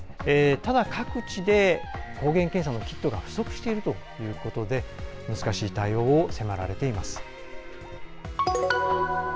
ただ、各地で抗原検査のキットが不足しているということで難しい対応を迫られています。